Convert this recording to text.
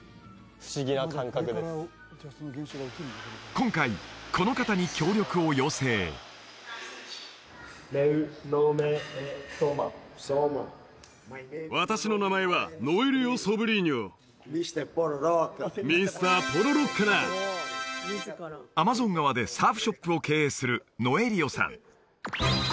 今回この方に協力を要請ソーマアマゾン川でサーフショップを経営するノエリオさん